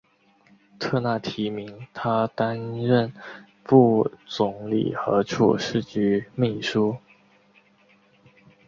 特纳提名他担任副总理和外事局秘书。